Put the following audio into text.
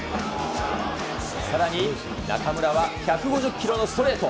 さらに中村は１５０キロのストレート。